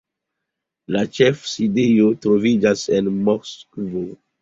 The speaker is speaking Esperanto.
La ĉefsidejo troviĝas en Moskvo.